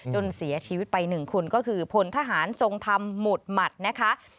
จนเสียชีวิตไป๑คนก็คือพลทหารทรงธรรมหมุดหมัดนะคะ